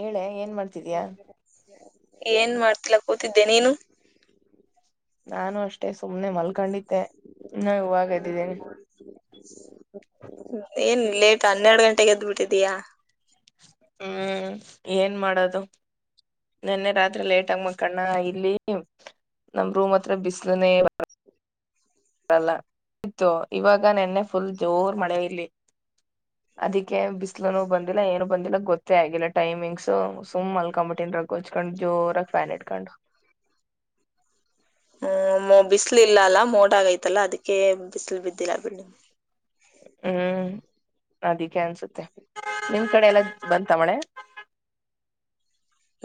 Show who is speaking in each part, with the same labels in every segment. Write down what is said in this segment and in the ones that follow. Speaker 1: ಹೇಳೆ ಏನ್ ಮಾಡ್ತಿದೀಯಾ
Speaker 2: [inaudible] ಏನ್ ಮಾಡ್ತಿಲ್ಲ ಕೂತಿದ್ದೆ ನೀನು
Speaker 1: ನಾನು ಅಷ್ಟೇ ಮೆ ಸುಮ್ನೆ ಮಲ್ಕೊಂಡಿದ್ದೆ ನ ಇವಾಗ್ದಿದ್ದೀನಿ
Speaker 2: ಏನ್ ಲೇಟ್ ಹನ್ನೆರಡು ಗಂಟೆಗೆ ಎದ್ಬಿಟ್ಟಿದೀಯಾ
Speaker 1: ಹ್ಮ್ ಏನ್ ಮಾಡೋದು ನಿನ್ನೆ ರಾತ್ರಿ ಲೇಟ್ ಆಗ ಮಕ್ಕಣ್ಣ ಇಲ್ಲಿ ನಮ್ ರೂಮ್ ಹತ್ರ ಬಿಸಲನೆೇ ಲ್ಲ ಇತ್ತು ಇವಾಗ ನಿನ್ನೆ ಫುಲ್ ಜೋರ್ ಮಳೆ ಇರ್ಲಿ ಅದಕ್ಕೆ ಬಿಸ್ಲುನು ಬಂದಿಲ್ಲ ಏನು ಬಂದಿಲ್ಲ ಗೊತ್ತೇ ಆಗಿಲ್ಲ ಟೈಮಿಂಗ್ಸು ಸುಮ್ ಅಲ್ಕೊಂಬಿಟ್ಟನ್್ರಗ್ ಹೊಚ್ಕೊಂಡ್ ಜೋರಾಗಿ ಫ್ಯಾನ್ ಇಟ್ಕೊಂಡು
Speaker 2: ಹ್ಮ್ ಬಿಸಲು ಇಲ್ಲ ಅಲ್ಲ ಮೋಡ್ ಆಗೈತಲ್ಲ ಅದಕ್ಕೆ ಬಿಸಿಲು ಬಿದ್ದಿಲ್ಲ ಬಿ
Speaker 1: ಹ್ಮ್ ಅದಕ್ಕೆ ಅನ್ಸುತ್ತೆ ನಿಮ ಕಡೆ ಎಲ್ಲ ಬಂತ ಮಳೆ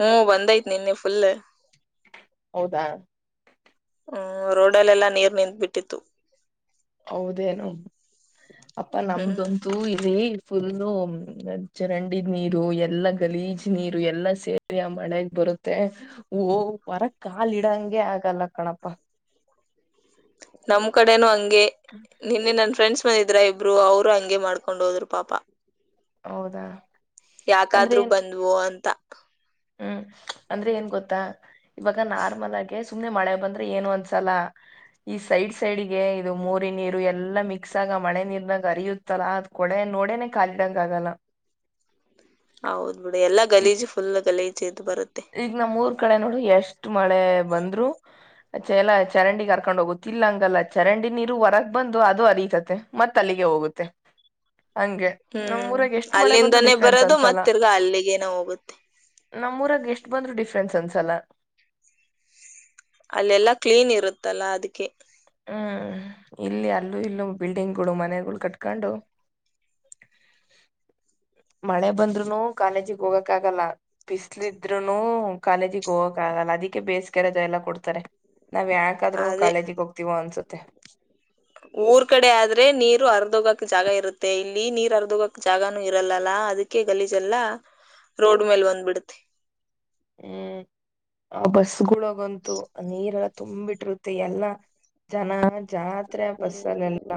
Speaker 2: ಹ್ಮ್ ಬಂದೈತ್ ನಿನ್ನೆ ಫುಲ್
Speaker 1: ಹೌದಾ
Speaker 2: ಹ್ಮ್ ರೋಡ್ಲ್ಲೆಲ್ಲಾ ನೀರ್ ನಿಂತ ಬಿಟ್ಟಿತ್ತು
Speaker 1: ಹೌದೇನು ಅಪ್ಪ
Speaker 2: ಹ್ಮ್
Speaker 1: ನಮ್ದಂತೂ ಫುಲ್ಲು ಚರಂಡಿ ನೀರು ಎಲ್ಲಾ ಗಲೀಜ್ ನೀರು ಎಲ್ಲಾ ಸೇರಿ ಮಳೆೆಗೆ ಬರುತ್ತೆ ಹ ವರಕ್ ಕಾಲಿಡಂಗೆ ಆಗಲ್ಲ ಕಣಪಾ
Speaker 2: ನಮ್ ಕಡೆನು ಹಂಗ ನಿನ್ನೆ ನನ್ನ ಫ್ರೆಂಡ್ಸ್ ಇದ್ರ ಇಬ್ರು ಅವರು ಹಂಗೆ ಮಾಡ್ಕೊಂಡ್ ಹೋದ್ರು ಪಾಪ
Speaker 1: ಹೌದಾ ಅಂದ್ರೆ
Speaker 2: ಯಾಕಾದ್ರರು
Speaker 1: ಏನ್
Speaker 2: ಬಂದ್ವು ಅಂತ
Speaker 1: ಹ್ಮ್ ಅಂದ್ರೆ ಏನ್ ಗೊತ್ತಾ ಇವಾಗ ನಾರ್ಮಲ್ ಆಗೆ ಸುಮ್ನೆ ಮಳೆ ಬಂದ್ರೆ ಏನು ಅನ್ಸಲ ಈ ಸೈಡ್ ಸೈಡ್ಗೆ ಇದು ಮೂರಿ ನೀರು ಎಲ್ಲಾ ಮಿಕ್ಸ್ ಆಗ ಮಳೆ ನೀರ್ನಾಗ ಅರಿಯುತ್ತಲ ಅದ್ ಕೊಡೆ ನೋಡೇನೆ ಕಖಾಲಿಡಂಗ ಆಗಲ್ಲ
Speaker 2: ಹೌದ್ ಬಿಡಿ ಎಲ್ಲಾ
Speaker 1: ಈ
Speaker 2: ಗಲೀಜು ಫುಲ್ ಗಲೀಜ್ ದು ಬದು
Speaker 1: ಈಗ ನಮ್ ಮೂರ್ ಕಡೆ ನೋಡು ಎಷ್ಟ್ ಮಳೆ ಬಂದ್ರು ಚ ಎಲ ಚರಂಡಿಗ್ ಹರ್ಕೊಂಡ್ ಹೋಗುತ್ತಿಲ್ಲ ಹಂಗಲ್ಲ ಚರಂಡಿ ನೀರು ಹೊರಗ್ ಬಂದು ಅದು ಅರಿತತೆ ಮತ್ತ್ ಅಲ್ಲಿಗೆ ಹೋಗುತ್ತೆ ಹಂಗೆ ನಮ್
Speaker 2: ಹ್ಮ್
Speaker 1: ಊರಾಗ ಎಷ್ಟ್ ಮಳೆ ಬಂದ್ರು
Speaker 2: ಅಲ್ಲಿಂದಾನೇ
Speaker 1: ಡಿಫ್ರೆನ್ಸ್
Speaker 2: ಬರೋದು
Speaker 1: ಅನ್ಸಲ್ಲ
Speaker 2: ಮತ್ತ ತಿರ್ಗಾ ಅಲ್ಲಿಗೇನ ಹೋಗುತ್ತೆ
Speaker 1: ನಮ್ಮೂರಾಗ ಎಷ್ಟ್ ಬಂದ್ರು ಡಿಫ್ರೆನ್ಸ್ ಅನ್ಸಲ್ಲ
Speaker 2: ಅಲ್ಲೆಲ್ಲಾ ಕ್ಲೀನ್ ಇರುತ್ತಲ್ಲಾ ಅದಕ್ಕೆ
Speaker 1: ಹ್ಮ್ ಇಲ್ಲಿ ಅಲ್ಲೂ ಇಲ್ಲ ಬಿಲ್ಡಿಂಗ್ಗಳು ಮನೆಗಳು ಕಟ್ಕೊಂಡು ಮಳೆ ಬಂದ್ರುನು ಕಾಲೇಜಿಗೆ ಹೋಗಕ್ ಆಗಲ್ಲ ಬಿಸ್ಲಿದ್ರುನು ಕಾಲೇಜಿಗೆ ಹೋಗಕ ಆಗಲ್ಲ ಅದಕ್ಕೆ ಬೇಸಿಗೆರೆದ ಎಲ್ಲ ಕೊಡ್ತಾರೆ ನಾವ್ ಯಾಕಾದ್ೂ
Speaker 2: ಅದೇ
Speaker 1: ಕಾಲೇಜಿಗೆ ಹೋಗ್ತವಿ
Speaker 2: ಊರ್ ಕಡೆ ಆದ್ರೆ ನೀರ್ ನೀರು ಅರ್ಧ ಹೋಗಕ್ ಜಾಗ ಇರುತ್ತೆ ಇಲ್ಲಿ ನೀರ್ ಅರ್ಧೋಗಕ ಜಾಗಾನೂ ಇರಲ್ಲಾ ಅದಕ್ಕೆ ಗಲೀಜೆಲ್ಲ ರೋಡ್ ಮೇಲೆ ಒಂದ್ಬಿಡುತ್ತೆ
Speaker 1: ಹ್ಮ್ ಆ ಬಸ್ ಗಂತು ನೀರೆಲ್ಲ ತುಂಬಿಟ್ಟಿರುತ್ತೆ ಎಲ್ಲ ಜನ ಜಾತ್ರೆ ಬಸ್ಸಲ್ಲ ಎಲ್ಲ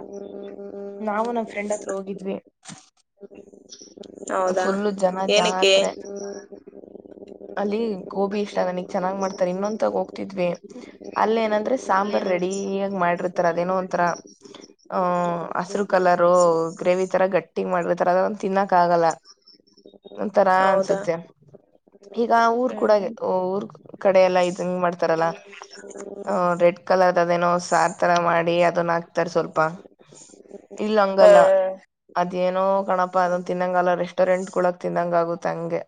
Speaker 1: ನಾವು ನಮ್ಮ್ ಫ್ರೆಂಡ್ ಹತ್ರ ಹೋಗಿದ್ವಿ
Speaker 2: ಹೌದಾ
Speaker 1: ಫುಲ್ಲು ಜನ
Speaker 2: ಏನಕ್ಕೆ
Speaker 1: ಜಾತ್ರೆ ಅಲ್ಲಿ ಗೋಬಿ ಇಷ್ಟ ನನಗ್ ಚನಾಗ್ ಮಾಡ್ಾರೆ ಇನ್ನೊಂದ ಹೋಗ್ ಅಲ್ಲ ಏನಂದ್ರೆ ಸಾಂಬಾರ್ ರೆಡಿಯ ಮಾಡಿರ ರ ಅದೇನೋ ಒಥರ ಹ ಹಸರು ಕಲರು ಗ್ರೇವಿ ಈ ತರ ಗಟ್ಟಿಂಗ ಮಾಡಿರ್ತರ ಅದ ತಿನ್ನಾಕ್ ಕಾಗಲ ಒಂತರಾ
Speaker 2: ಹೌದಾ
Speaker 1: ಅನ್ಸುತ್ತೆ ಈಗ ಊರ್ ಕೂಡಾಗ
Speaker 2: ಹ್ಮ್
Speaker 1: ಊರ್ ಕಡೆ ಎಲ್ಲಾ ಇದಂಗ ಮಾಡ್ತಾರಲ್ಲ ಅ ರೆಡ್ ಕಲರ್ ಅದೇನೋ ಸಾರ್ ತರ ಮಾಡಿ ಅದನ್ನ ಹಾಕ್ತಾರ ಸ್ವಲ್ಪ ಇಲ್ಲ ಹಂಗಲ್ಲ
Speaker 2: ಹ್ಮ್
Speaker 1: ಅದ ಏನೋ ಕಣಪ ಅಂತ ತಿನ್ನಂಗಲ್ಲ ರೆಸ್ಟೋರೆಂಟ್ ಗಳಳ ತಿನ್ನಂಗ ಆಗುತ್ತೆ ಹಂಗೆ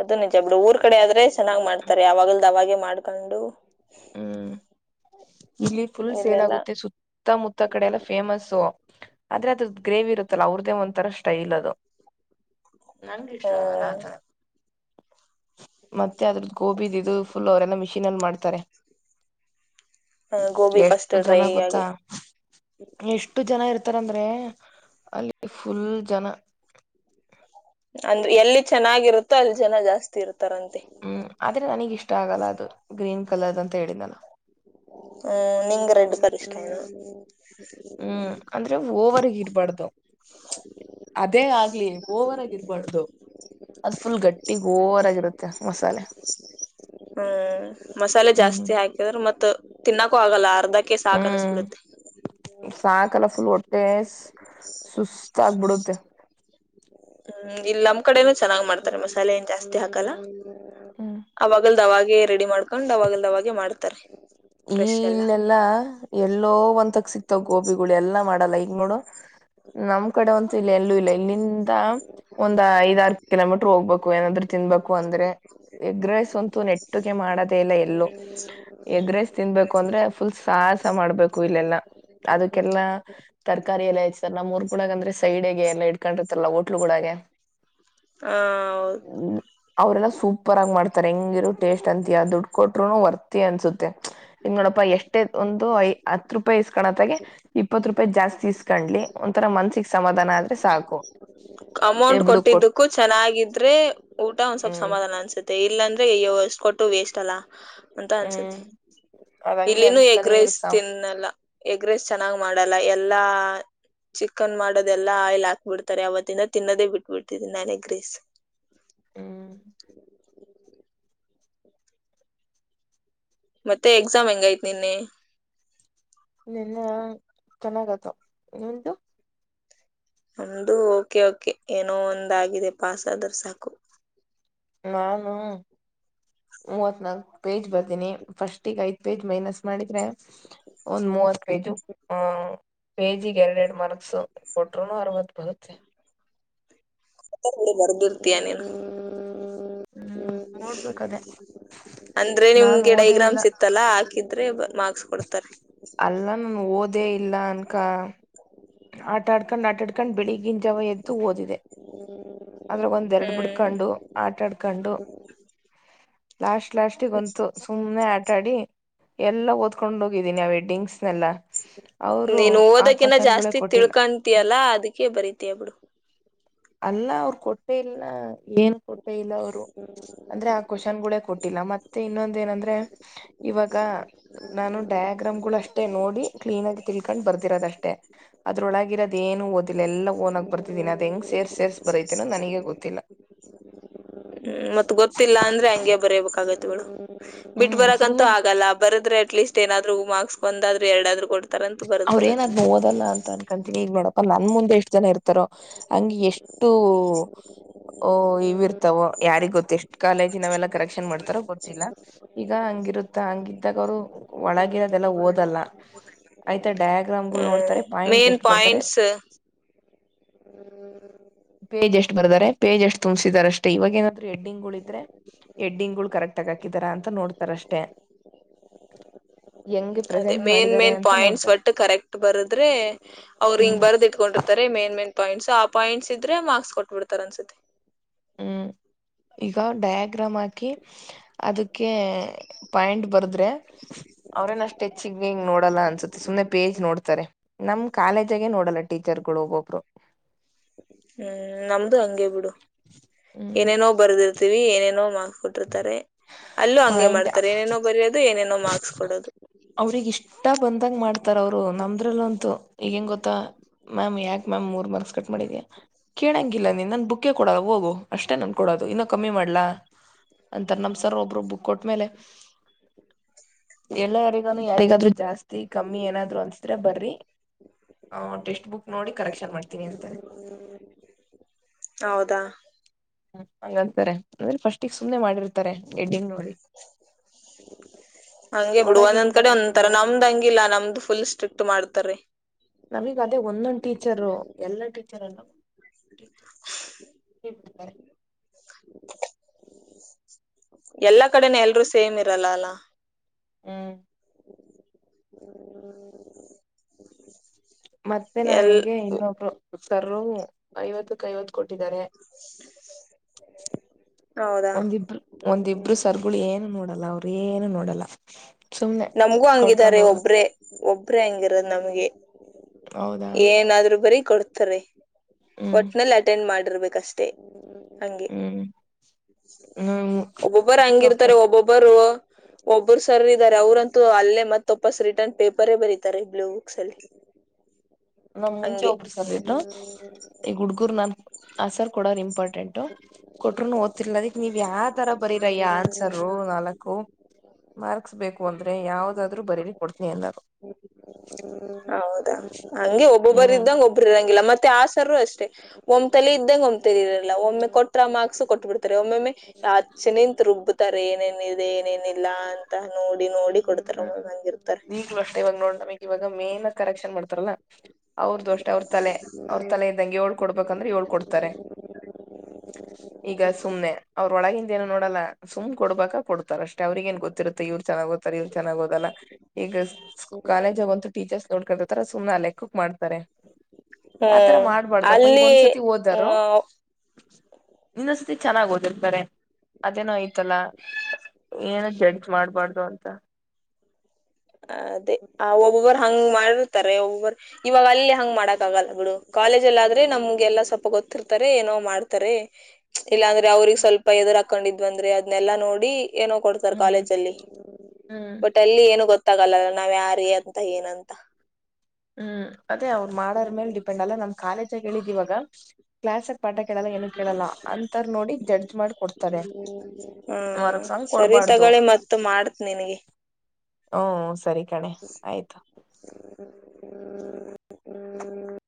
Speaker 2: ಅದು ನಿಜ ಬಿಡು ಊರ್ ಕಡೆ ಆದ್ರೆ ಚೆನ್ನಾಗಿ ಮಾಡತಾರೆ ಆ ಅವಾಗಲ ಅವಾಗ ಮಾಡ್ಕೊಂಡು
Speaker 1: ಹ್ಮ್ ಇಲ್ಲಿ ಫುಲ್ ಸೇಲ್
Speaker 2: ಇಲ್ಲೆಲ್ಲ
Speaker 1: ಆಗುತ್ತೆ ಸುತ್ತಮುತ್ತ ಕಡೆ ಎಲ್ಲ ಫೇಮಸ್ಸು ಆದ್ರೆ ಅದ್ರ ಗ್ರೇವಿ ಇರುತ್ತಲ್ಲ ಅವ್ರದೇ ಒಂಥರ ಸ್ಟೈಲ್ ಅದು ನಂಗ್ ಇಷ್ಟ
Speaker 2: ಹ್ಮ್
Speaker 1: ಆಥರ ಮತ್ತೆ ಅದ್ರದ್ದು ಗೋಬಿದಿದ್ದು ಫುಲ್ ಅವರೆಲ್ಲ ಮಿಷೀನ್ ಅಲ್ಲಿ ಮಾಡ್ತಾರೆ
Speaker 2: ಹ್ಮ ಗೋಬಿ
Speaker 1: ಎಷ್ಟು
Speaker 2: ಪಸ್ಟರ್ಡ್ ರ
Speaker 1: ಜನ ಗೊತ್ತಾ
Speaker 2: ಹಾಗಾಗಿ
Speaker 1: ತರಂದ್ರೆ ಅಲ್ಲಿ ಫುಲ್ ಜನ
Speaker 2: ಅಂದ್ರೆ ಎಲ್ಲಿ ಚೆನ್ನಾಗಿರುತ್ತೋ ಅಲ್ಲಿ ಜನ ಜಾಸ್ತಿ ಇರ್ತಾರಂತೆ
Speaker 1: ಹ್ಮ್ ಆದ್ರೆ ನನಗ್ ಇಷ್ಟ ಆಗಲ್ಲ ಅದು ಗ್ರೀನ್ ಕಲರ್ ಅಂತ ಹೇಳಿದಾನು
Speaker 2: ಹ್ಮ್ ನಿಂಗ ರೆಡ್ ಕರ್ ಇಷ್ಟ ನ
Speaker 1: ಹ್ಮ್ ಅಂದ್ರೆ ಓವರ್ಗ ಇರ್ಬಾರ್ದು ಅದೇ ಆಗ್ಲಿ ಓವರಗ ಇರ್ಬಾರ್ದು ಅದು್ ಫುಲ್ ಗಟ್ಟಿ ಹೋರಾಗಿರುತ್ತೆ
Speaker 2: ಹ್ಮ್ ಮಸಾಲೆ
Speaker 1: ಹ್ಮ್
Speaker 2: ಜಾಸ್ತಿ ಹಾಕಿದ್ರೆ ಮತ್ತ ತಿನ್ನಕ್ಕೂ ಆಗಲ್ಲ ಅದಕ್ಕೆ ಸಾಕ ಅನಸ್್ಬಿಡುತ್ತೆ
Speaker 1: ಸಕಾಲ ಫುಲ್ ಹೊಟ್ಟೆ ಸುಸ್ತಾಗಬಿಡುತ್ತೆ
Speaker 2: ಹ್ಮ ಇಲ್ ನಮ್ಮ್ ಕಡೆನ ಚೆನ್ನ್ ಮಾಡ್ತಾರೆ ಮಸಾಲೆ ಏನ್ ಜಾಸ್ತಿ ಹಾಕಲ್ಲ ಹ್ಮ
Speaker 1: ಹ್ಮ್
Speaker 2: ಅವವಾಗ ಅವವಾಗೆ ರೆಡಿ ಮಾಡ್ಕೊಂಡ್ ಅವಾಗೆಲ್ಲ ಅವವಾಗೆ ಮಾಡ್ತಾರೆ
Speaker 1: ಈ
Speaker 2: ಫ್ರೆಶ್ ಎಲ್ಲ.
Speaker 1: ಇಲ್ಲೆಲ್ಲ ಎಲ್ಲೋ ಒಂತಕ್ ಸಿಕ್ತಾವ ಗೋಬಿಗಳು ಎಲ್ಲಾ ಮಾಡಲ್ಲ ಈಗ್ ನೋಡು ನಮ್ ಕಡೆ ಒಂತೂ ಇಲ್ಲಿ ಎಲ್ಲೂ ಇಲ್ಲ ಇಲ್ಲಿಂದ ಒಂದ ಐದರು ಕಿಲೋಮೀಟ್ರ ಹೋಗ್ಬೇಕು ಏನಾದ್ರು ತಿನ್ಬೇಕು ಅಂದ್ರೆ ಎಗ್ರೈಸ್ ಅಂತೂ ನೆಟ್ಟಗೆ ಮಾಡದೇ ಇಲ್ಲ ಎಲ್ಲೂ ಎಗ್ರೈಸ್ ತಿನ್ಬೇಕು ಅಂದ್ರೆ ಫುಲ್ ಸಾಹಸ ಮಾಡ್ಬೇಕು ಇಲ್ಲೆಲ್ಲಾ ಅದಕ್ಕೆಲ್ಲಾ ತರಕಾರಿ ಎಲ್ಲ ಸರ್ ನಮ್ಮ್ಊರ್ಗೂಡಳ ಅಂದ್ರೆ ಸೈಡ್ಗೆ ಎಲ್ಲಾ ಇಡ್ಕೊಂಡಿರ್ತಲ್ಲ ಹೋಟ್ಲ್ಗಳುಳಾಗ
Speaker 2: ಹ
Speaker 1: ಅವ್ರಲ್ಲ ಸೂಪರ್ ಆಗ ಮಾಡತ ಹೆಂಗಿರುೋ ಟೇಸ್ಟ್ ಅಂತ ದುಡ್ಡು ಕೊಟ್್ರರುನು ವರ್ತಿ ಅನ್ಸುತ್ತೆ ಇಂಗಪ್ಪ ಎಷ್ಟ ಒಂದು ಐ ಹತ್ರೂ ಸ್ಕಣತ್ತೆ ಇಪ್ಪತ್ತು ರೂಪಾಯಿ ಜಾಸ್ತಿ ಇಸ್ಕೊಂಡ್ಲಿ ಒಂಥರ ಮನ್ಸಿಗೆ ಸಮಾಧಾನ ಆದ್ರೆ ಸಾಕು ಏ
Speaker 2: ಅಮೌಂಟ್
Speaker 1: ಬಿಡು ಕೊಟ್
Speaker 2: ಕೊಟ್ಟಿದ್ದಕ್ಕೂ ಚೆನ್ನಾಗಿದ್ರೆ ಊಟ ಒಂದ್ ಸ್ವಲ್ಪ
Speaker 1: ಹ್ಮ್
Speaker 2: ಸಮಾಧಾನ ಅನ್ಸುತ್ತೆ ಇಲ್ಲಂದ ೆ ಅಯ್ಯೋ ಅಷ್ಟ ಕೊಟ್ಟು ವೇಸ್ಟ್ ಅಲ್ಲ ಅಂತ
Speaker 1: ಹ್ಮ
Speaker 2: ಅನ್ಸುತ್ತೆ. ಇಲ್ಲಿನೂ ಎಗ್ರೈಸ್ ತಿನ್ನಲ್ಲ ಎಗ್ರೈಸ್ ಚೆನ್ನಾಗ್ ಮಾಡಲ್ಲ ಎಲ್ಲಾ ಚಿಕನ್ ಮಾಡೋದೆಲ್ಲಾ ಆಯಿಲ್ ಹಾಕ್ ಬಿಿಡ್ತಾರೆ ಅವತ್ತಿಂದ ತಿನ್ನೋದೇ ಬಿಟ್ಬಿಡ್ತಿದನಿ ನಾನೇ ಗ್ರೇಸ್
Speaker 1: ಹ್ಮ್
Speaker 2: ಮತ್ತೆ ಕಸ ಮೆಂಗಾ ಇಐ ನಿೆ
Speaker 1: ನಿನ್ನ ಚೆನ್ನಾಗತ ನಿ್ದು
Speaker 2: ನಮ್ದು ಓಕೆ ಓಕೆ ಏನೋ ಒಂದಾಗಿದೆ ಪಾಸ್ ಆದ್ರ ಸಾಕು
Speaker 1: ನಾನು ಮೂವತ್ ನಾಲ್ಕ್ ಪೇಜ್ ಬರ್ದೀನಿ ಫಸ್ಟ್ ಈಗ ಐದ ಪೇಜ್ ಮೈನಸ್ ಮಾಡಿದ್ರೆ ಒಂದ್ ಮೂವತ್ ಪೇಜು ಆ ಪೇಜಿಗೆ ಎರರಡು ಮಾರ್ಕ್ಸ್ ಕೊಟರು ಅರವತ್ ಬರುತ್ತೆ
Speaker 2: ಮಳ ಬರ್ದು ಇರ್ತಯ ನೀನು ಹ್ಮ್ ಹ್ಮ್ ಅಂದ್ರೆ
Speaker 1: ನಾನ್
Speaker 2: ನಿಮ್ಗೆ
Speaker 1: ಓದೇ ಇಲ್ಲ
Speaker 2: ಡೈಗ್ರಾಮ್ಸ್ ಇತ್ತಲ್ಲಾ ಹಾಕಿದ್ರೆ ಬ ಮಾರ್ಕ್ಸ್ ಕೊಡ್ತಾರೆ
Speaker 1: ಅಲ್ಲ ನನ್ ಓದೇ ಇಲ್ಲ ಅನ್ಕ ಆಟಾ ಆಡ್ಕಂಡ್ ಆಟಾಡ್ಕಂಡ್ ಬೆಳಿಗಿಂತ ಜವ ಎಂತು ಓದಿದೆ ಅದ್ರ ಒಂದ್ ಎರಡು
Speaker 2: ಹ್ಮ್
Speaker 1: ಬಿಡ್ಕೊಂಡು ಆಟಾಡ್ಕೊಂಡು ಲಾಸ್ಟ್ ಲಾಸ್ಟ್ಗಂತು ಸುಮನೆ ಆಟಾಡಿ ಎಲ್ಲಾ ಓದ್ಕೊಂಡ್ ಹೋಗಿದ್ದೀನಿ ಆ ವಡ್ಡಿಂಗ್ಸ್ ಅವರು ಆ ಕ್ನ್
Speaker 2: ತಿಳ್ಕೊಂತಯಲ್ಲಾ ಅದಕ್ಕೆ ಬರತಯ ಬಿಡು
Speaker 1: ಅಲ್ಲ ಅವ್ರ ಕೊಟ್ಟೆ ಇಲ್ನ ಏನ್ ಕೊಟ್ಟೇ ಇಲ್ಲ ಅವ್ರು ಅಂದ್ರೆ ಆ ಕ್ವಶನ್ ಗಳೇ ಕೊಟ್ಟಿಲ್ಲ ಮತ್ತೆ ಇನ್ನೊಂದ ಏನಂದ್ರೆ ಇವಾಗ ನಾನು ಡಯಾಗ್ರಾಮ್ ಗಳು ಅಷ್ಟೇ ನೋಡಿ ಕ್ಲೀನ್ ಆಗಿ ತಿ ಕಂಡ್ ಬರ್ದರದ ಅಷ್ಟೇ ಅದ್ರೊಳಗ ಇರೋದ ಏನು ಓದಿಲ್ಲ ಎಲ್ಲ ಓೋಗಾಗ್ ಬರ್ತಿದೀನಿ ಅದ ಹೆಂಗ ಸೇರ್ಸ್ ಸೇರ್ಸ್ ಬರತೀನೋ ನನಗ ಗೊತ್ತಿಲ್ಲ
Speaker 2: ಹ್ಮ್ ಮತ್ತತ್ ಗೊತ್ತಿಲ್ಲ ಅಂದ್ರೆ ಹಂಗೆ ಬರಯಬೇಕಾಗತ್ತೆ ಇಳ [unintelligible] ಬಿಟ್ಟ
Speaker 1: ಹ್ಮ್
Speaker 2: ಬರಕ್ಕಂತೂ
Speaker 1: ಸುಮ್ನೆ
Speaker 2: ಆಗಲ್ಲ ಬರದ್ರೆ ಅಟ್ಲೀಸ್ಟ್ ಏನಾದ್ರೂ ಮಾರ್ಕ್ಸ್ ಒಂದಾದ್ರರು ಎರಡಾದ್ೂ ಕೊಟ್ಟ
Speaker 1: ಅವರು ಏನಾದ್ರ ಓದಲ್ಲ ಅಂತ ಅನ್ಕಂತೀನಿ ಈಗ್ ಬಡಪಲ್ಲ ನನ್ ಮುಂದೆ ಎಷ್ಟ್ ಜನ ಇರ್ತಾರೋ ಹಂಗಗೆ ಎಷ್ಟು ಅ ಇ ಇರ್ತಾವೋ ಯಾರಿಗ್ ಗೊತ್ತ ಎಷ್ಟ್ ಕಾಲೇಜ ನಾವೆಲ್ಲಾ ಕರೆಕ್ಷನ್ ಮಾಡ್ತಾರೋ ಗೊತ್ತಿಲ್ಲ ಈಗ ಹಂಗಿರುತ್ತ ಹಂಗಿದ್ದಾಗ ಅವರು ಒಳಗಿರೋದೆಲ್ಲ ಓದಲ್ಲ ಹಾಯ್ತಾ ಡಯಾಗ್ರಾಮ್ಗಳು ಕೋಡ್
Speaker 2: ಹ್ಮ್ ಮೇನ್ ಪಾಯಿಂಟ್ಸ್
Speaker 1: ಪೇಜ್ ಎಷ್ಟು ಬರ್ದಾರೆ ಪೇಜ್ ಎಷ್ಟ್ ತುಂಬ್ಸಿದಿದ್ದಾರೆ ಅಷ್ಟೇ ಇವಾಗ ಏನಾದ ಹೆಡ್ಡಿಂಗ್ ಇದ್ರೆ ಹೆಡ್ಡಿಂಗ್ ಗಳು ಕರೆಕ್ಟ್ ಆಗ ಹಾಕಿದಾರ ಅಂತ ನೋಡ್ತಾರಷ್ಟೆ ಹೆಂಗೆ
Speaker 2: ಅದೇ
Speaker 1: ಪ್ರೆಸೆಂಟ್
Speaker 2: ಮೇನ್
Speaker 1: ಮಾಡಿದ್ದಾರೆ
Speaker 2: ಮೇನ್
Speaker 1: ಅಂತ
Speaker 2: ಪಾಯಿಂಟ್ಸ್
Speaker 1: ನೋಡ್ತಾರೆ
Speaker 2: ಒಟ್ಟ ಕರೆಕ್ಟ್ ಬರದ್ರ ಅವರು
Speaker 1: ಹ್ಮ್
Speaker 2: ಹಿಂಗ ಬರ್ದ್ ಇಟ್ಕೊಂಡಿರ್ತಾರೆ ಮೇನ್ ಮೇನ್ ಪಾಯಿಂಟ್ಸ್ ಆ ಪಾಯಿಂಟ್ಸ್ ಇದ್ರೆ ಮಾರ್ಕ್ಸ್ ಕೊಟ್ಬಿಡ್ತಾರ ಅನ್ಸುತ್ತೆ
Speaker 1: ಹ್ಮ್ ಈಗ ಡಯಾಗ್ರಾಮ್ ಹಾಕಿ ಅದಕ್ ಕೆ ಪಾಯಿಂಟ್ ಬರದ್ರೆ ಅವ್ರೇನಷ್ಟೆಚ್ಿಗೆ ಹಿಂಗ ನೋಡಲ್ಲ ಅನ್ಸತ್ತತಿ ಸುಮ್ನೆ ಪೇಜ್ ನೋಡ್ತಾರೆ ನಮ್ ಕಾಲೇಜಾಗೆ ನೋಡಲ್ಲ ಟೀಚರ್ಗಳು ಒಬ್ಬೊಬ್ರು
Speaker 2: ಹ್ಮ್ ್ಮ ನಮ್ದು ಹಂಗಗೆ ಬಿಡು
Speaker 1: ಹ್ಮ್
Speaker 2: ಏನೇನೋ ಬರ್ದಿರ್ತೀವಿ ಏನೇನೋ ಕೊಟ್ಟಿರ್ತಾರೆ ಅಲ್ಲೂ ಹಂಗೆ ಮಾಡ್ತಾರೆ ಏನೇನೋ ಬರಯೋದು ಏನೇನೋ ಮಾರ್ಕ್ಸ್ ಕೊಡೋದು
Speaker 1: ಅವ್ರಗ್ ಇಷ್ಟ ಬಂದಂಗ ಮಾಡ್ತಾರ ಅವ್ರು ನಮ್ದ್ರಲ್ಲ ಅಂತು ಈಗೇಂಗ ಗೊತ್ತಾ ಮ್ಯಾಮ್ ಯಾ ಮ್ಯಾಮ್ ಮೂರ್ ಮಾರ್ಕ್ಸ್ ಕಟ್ ಮಾಡಿದೀಯ ಕೇಳಂಗಿಲ್ಲ ನೀ ನ ಬುಕ್ಕ ಕೊಡದು ಹೋಗು ಅಷ್ಟೇ ನನ್ ಕೊಡೋದು ಇನ್ನೊ ಕಮ್ಮಿ ಮಾಡ್ಲಾ ಅಂತ ನಮ ಸರ್ ಒರು ಬಕ್ ಕೊಟ್ಮೇಲೆ ಎಲ್ಲಾರಿಗ ಯಾರಿಗಾದ್ೂ ಜಾಸ್ತಿ ಕಮ್ಮಿ ಏನಾದ್ರು ಅನ್ ತ್ರ ಬರ್ರಿ ಹ ಟೆಸ್ಟ್ ಬುಕ್ ನೋಡಿ ಕರೆಕ್ಷನ್ ಮಾಡ್ತೀನಿ ಅಂತರೆ
Speaker 2: ಹೌದಾ
Speaker 1: ಹ್ಮ ಹಂಗಂತಾರೆ ಅಂದ್ರೆ ಫಸ್ಟಿಗೆ ಸುಮ್ಮನೆ ಮಾಡಿರ್ತಾರೆ ಎಡ್ ನೋ ಹೇ [inaudible]
Speaker 2: ಹಂಗಗೆ ಬಿಡು ಒಂದೊಂದ್ ಕಡೆ ಒಂದ್ ತರ
Speaker 1: ನೋಡ
Speaker 2: ನಮ್ದ್ ಹಂಗಿಲ್ಲಾ ನಮ್ದು ಫುಲ್ ಸ್ಟ್ರಿಕ್ಟ್ ಮಾಡ್ತರಿೀ
Speaker 1: ನಮಗ ಅದೇ ಒಂದೊಂದ್ ಟೀಚರು ಎಲ್ಲಾ ಟೀಚರ್ ಅಲ್ಲವು ಹ್ಮ [unintelligible] ಹ [unintelligible]
Speaker 2: ಎಲ್ಲಾ ಕಡೆನ ಎಲ್ರುೂ ಸೇಮ್ ಇರಲ್ಲ ಅಲ್ಲ
Speaker 1: ಹ್ಮ್
Speaker 2: ಹ್ಮ [inaudible]
Speaker 1: ಮತ್ತೆ ನಾನೀಗೆ ಇನ್ನೊಬ್ರು ರೂ ಐವತ್ತಕ್ ಐವತ್ತು ಕೊಟ್ಟಿದ್ದಾರೆ
Speaker 2: ಹಾ [inaudible]
Speaker 1: ಒಂದಿಬ್ರು ಒಂದಿಬ್ರು ಸರ್ಗಳು ಏನು ನೋಡಲ್ಲ ಅವರು ಏನು ನೋಡಲ್ಲ ಸುಮ್ನೆ
Speaker 2: ನಮಗೂ
Speaker 1: ಕೊಡ್ಕೊಂಡ್
Speaker 2: ಹಂಗಿದಿದ್ದಾರೆ
Speaker 1: ಹೋಗದ
Speaker 2: ಒಬ್ರೆ ಒಬ್ರೇ ಹಂಗಿರದು ನಮ್ಗೆ
Speaker 1: ಹೌದಾ
Speaker 2: ಏನಾದ್ರು ಬರೀ ಕೊಡ್ತ ತಾರೆ
Speaker 1: ಹ್ಮ್
Speaker 2: ಒಟ್ಟನಲ್ಲಿ ಅಟೆಂಡ್ ಮಾಡ ಇರ್ಬೇಕಷ್ಟೇ ಅಂಗೇ
Speaker 1: ಹ್ಮ್ ಹ್ಮ್
Speaker 2: ಒಬ್ಬೊಬ್ಬರು
Speaker 1: ಮುಂಚೆ ಒಬ್ರ
Speaker 2: ಹಂಗಿರ್ತಾರೆ ಒಬ್ಬೊಬ್ಬರು ಒಬ್ಬರು ಸರ್ ಇದಾರೆ ಅವರಂತೂ ಅಲ್ಲೇ ಮತ್ತ ವಪುಸ್ ರಿಟರ್ನ್ ಪೇಪರೇ ಬರತಾರೆ ಬ್ಲೂ ಬುಕ್ಸ್ ಅಲ್ಲಿ
Speaker 1: ನಮ್ ಮುಂಚೆ
Speaker 2: ಹಂಗೆ
Speaker 1: ಒಬ್ರು ಸರ್ ಇದ್ರು ಈಗ ಹುಡ್ಗರು ನಾನ್ ಆ ಸರ್ ಕೊಡ ಇಂಪಾರ್ಟೆಂಟ್ ಕೊಟ್ರರು ಓದ್ತಿನೀ ರನ್ನದುಕ್ಕಾ ನೀವ್ ಯಾವ ತರ ಬರೀರ ಈ ಆನ್ಸರ್ ನಾಲ್ಕು ಮಾರ್ಕ್ಸ್ ಬೇಕು ಅಂದ್ರೆ ಯಾವ್ದಾದ್ರು ಬರೀರಿ ಕೊಡ್ತನೀ ಅನ್ನುವರು
Speaker 2: ಹೌದಾ ಹಂಗೆ ಒಬ್ಬೊಬ್ಬ ಇದ್ದಂಗ ಒಬ್ಬ್ರ ಇರಗಿಲ್ಲ ಮತ್ತೆ ಆ ಸಾರ್ ಅಷ್ಟೇ ಒಮ್ ತಲೆ ಇದ್ದಂಗಗೆ ಒಮ್ ತಲಿ ಇರಲ್ಲ ಒಮ್ಮೆ ಕೊಟ್ರ ಮಾರ್ಕ್ಸಸ್ ಕೊಟ್ಟ ಬಿಡ್ತಾರೆ ಒಮೊಮ್ಮೆ ಹಚ್ಚಿನಿಂತು ರುಬ್ಬುತ್ತಾರೆ ತಾರೆ ಏನೇನ್ ಇದೆ ಏನೇನಿಲ್ಲಾ ಅಂತ ನೋಡಿ ನೋಡಿ ನೋಡಿ ಕೊಡ್ತಾರೇ ಒಮ್ಮೆ ಹಂಗೆ ಇರ್ತಾರೆ
Speaker 1: ಈಗ್ಲೂ ಅಷ್ಟೇ ಇವಾಗ ನೋಡ್ ನಮಗ್ ಇವಾಗ ಮೇನ್ ಕರೆಕ್ಷನ್ ಮಾಡ್ತಾರಲ್ಲ ಅವ್ರ್ದು ಅಷ್ಟೇ ಅವ್ರ ತಲೆ ಅವ್ರ ತಲೆ ಇದ್ದಂಗೆ ಏಳು ಕೊಡ್ಬೇಕಂದ್ರೆ ಏಳ್ ಕೊಡ್ತಾರೆ ಈಗ ಸುಮ್ನೆ ಅವ್ರೊಳಗ ಏನು ನೋಡಲ್ಲ ಸುಮ್ ಕೊಡ್ಬೇಕಾ ಕೊಡ್ತಾರ ಅಷ್ಟೆ ಅವ್ರಿಗೆ ಏನ್ ಗೊತ್ತಯಿರುತ್ತೆ ಇವ್ರು ಚೆನ್ನಾಗಿ ಓದ್ತಾರೆ ಓದ್ತಾರೆ ಇವ್ರು ಚೆನ್ನಾಗ ಓದಲ್ಲ ಈಗ ಕಾಲೇಜಂತು ಟೀಚರ್ಸ್ ನೋಡ್ಕೊಂಡುಯಿರ್ತಾರೆ ಸುಮ್ನೆ ಅಲ್ಲೇ ಕುಕ್ ಮಾಡ್ ಆತರ
Speaker 2: ಹ್ಮ್
Speaker 1: ಮಾಡ್ಬಾರ್ದಪ್ಪ ಈಗ
Speaker 2: ಅಲ್ಲಿ
Speaker 1: ಒಂದ್ಸತಿ ಓದರು ಇನ್ನೊಸತಿ ಚೆನ್ನಾಗ್ ಓದಿರ್ತಾರೆ ಅದೇನೋ ಆಯ್ತಲ್ಲ ಏನ ಜಡ್ಜ್ ಮಾಡ್ಬಾರ್ದು ಅ ಅಂತ
Speaker 2: ಹ ಅದೇ ಆ ಒಬೊಬ್ಬರ್ ಹಂಗ್ ಮಾಡಿ ತಾರೆ ಒಬ್ರು ಇವಾಗ ಅಲ್ಲಿ ಹಂಗ ಮಾಡಕ್ ಆಗಲ್ಲ ಬಿಡು ಕಾಲೇಜಲ್ಲ ಆದ್ರೆ ನಮ್ಗೆ ಎಲ್ಲಾ ಸ್ವಲ್ಪ ಗೊತ್ತಿರ್ತಾರೆ ಏನೋ ಮಾಡ್ತಾರೆ ಇಲ್ಲಾಂದ್ರೆ ಅವ್ರಿಗೆ ಸ್ವಲ್ಪದುರ ಹಾಕೊಂಡಿದ್ಂದ್ರಿ ಅದ್ನೆಲ್ಲಾ ನೋಡಿ ಏನೋ ಕೊಡ್ತರ್
Speaker 1: ಹ್ಮ್
Speaker 2: ಕಾಲೇಜ ಅಲ್ಲಿ
Speaker 1: ಹ್ಮ್
Speaker 2: ಬಟ್ ಅಲ್ಲಿ ಏನು ಗೊತ್ತ ಗೊತ್ತಾಗಲ್ಲ ನಾವ್ ಯಾರ್ ಅಂತ ಏನಂತ
Speaker 1: ಹ್ಮ್ ಅದೇ ಅವ್ರು ಮಾಡರ್ ಮೇಲೆ ಡಿಪೆಂಡ್ ಅಲ್ಲ ನಮ್ ಕಾಲೇಜಾಗ ಹೇಳಿದ್ವಾಗ ಅಂತರ್ ನೋಡಿ ಜಡ್ಜ್ ಮಾಡಿ ಕೊಡ್ತಾರೆ
Speaker 2: ಹ್ಮ
Speaker 1: ಮಾರ್ಕ್ಸ್ ಹಂಗ್
Speaker 2: ಸರಿ
Speaker 1: ಕೊಡ್ಬಾರ್ದು
Speaker 2: ತಗೊಳ್ಳಿ ಮತ್ತ ಮಾಡ್ತ್ ನನ್ಗೆ
Speaker 1: ಹ್ಮ್ ಸರಿ ಕಣೆ ಆಯ್ತು
Speaker 2: [inaudible] ಹ ಹ